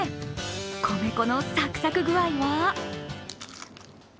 米粉のサクサク具合は？